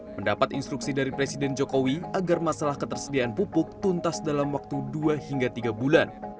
mendapat instruksi dari presiden jokowi agar masalah ketersediaan pupuk tuntas dalam waktu dua hingga tiga bulan